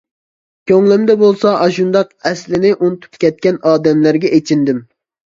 كۆڭلۈمدە بولسا ئاشۇنداق ئەسلىنى ئۇنتۇپ كەتكەن ئادەملەرگە ئېچىندىم.